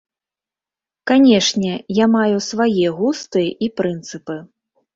Канечне, я маю свае густы і прынцыпы.